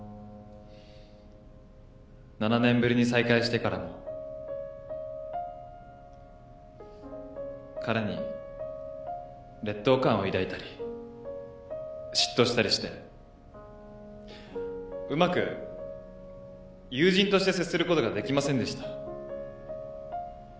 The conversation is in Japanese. ７年ぶりに再会してからも彼に劣等感を抱いたり嫉妬したりしてうまく友人として接することができませんでした。